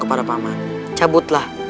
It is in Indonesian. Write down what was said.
kepada paman cabutlah